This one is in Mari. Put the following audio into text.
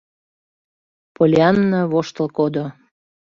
Поллианна воштыл кодо.